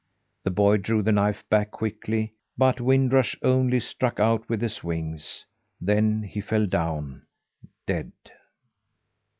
The boy drew the knife back quickly, but Wind Rush only struck out with his wings, then he fell down dead.